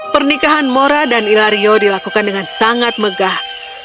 pernikahan mora dan ilario dilakukan dengan sangat megah